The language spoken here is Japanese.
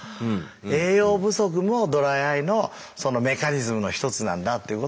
栄養不足もドライアイのメカニズムの一つなんだっていうことが分かった。